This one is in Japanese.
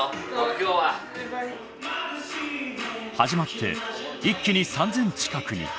始まって一気に３，０００近くに。